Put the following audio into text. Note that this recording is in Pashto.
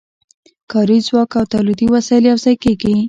کاري ځواک او تولیدي وسایل یوځای کېږي